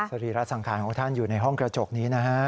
รีระสังขารของท่านอยู่ในห้องกระจกนี้นะฮะ